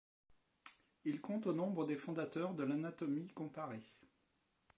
Il compte au nombre des fondateurs de l'anatomie comparée.